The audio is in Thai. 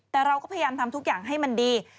แต่เราก็พยายามทำทุกอย่างให้มันดี